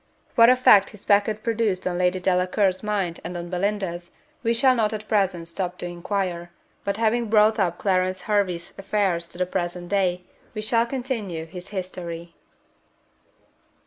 What effect his packet produced on Lady Delacour's mind and on Belinda's, we shall not at present stop to inquire; but having brought up Clarence Hervey's affairs to the present day, we shall continue his history.